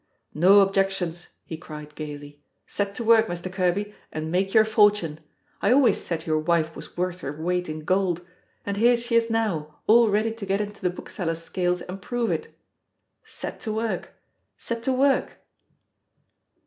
"No objections," he cried, gayly; "set to work, Mr. Kerby, and make your fortune. I always said your wife was worth her weight in gold and here she is now, all ready to get into the bookseller's scales and prove it. Set to work! set to work!"